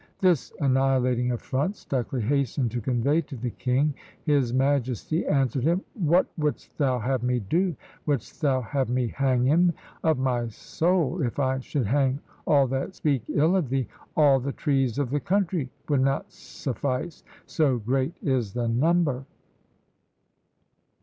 This annihilating affront Stucley hastened to convey to the king; his majesty answered him "What wouldst thou have me do? Wouldst thou have me hang him? Of my soul, if I should hang all that speak ill of thee, all the trees of the country would not suffice, so great is the number!"